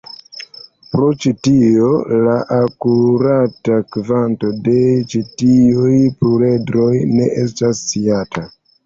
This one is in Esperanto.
Pro ĉi tio, la akurata kvanto de ĉi tiuj pluredroj ne estas sciata.